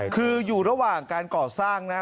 คืออยู่ระหว่างการก่อสร้างนะครับ